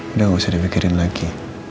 udah gak usah dipikirin lagi